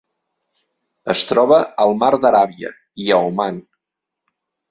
Es troba al Mar d'Aràbia i a Oman.